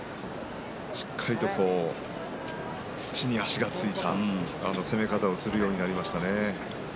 しっかりと地に足がついた攻め方をするようになりました。